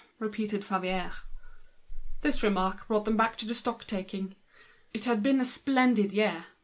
repeated Favier. This reflection brought them back to the stock taking. It was a splendid year.